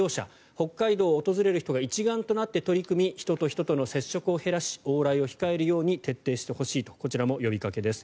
北海道を訪れる人が一丸となって取り組み人と人との接触を減らし往来を控えるように徹底してほしいとこちらも呼びかけです。